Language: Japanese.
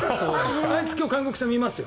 あいつ、今日韓国戦見ますよ。